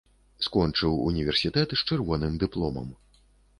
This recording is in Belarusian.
Скончыў універсітэт з чырвоным дыпломам.